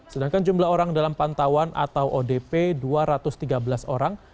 sedangkan jumlah orang dalam pantauan atau odp dua ratus tiga belas orang